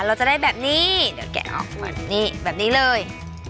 เราจะได้แบบนี้เดี๋ยวแกะออกมานี่แบบนี้เลย